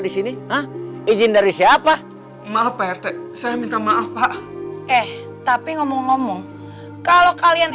di sini izin dari siapa maaf pak rt saya minta maaf pak eh tapi ngomong ngomong kalau kalian